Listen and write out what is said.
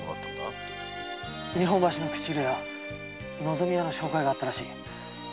日本橋の口入屋「のぞみ屋」の紹介だったらしい。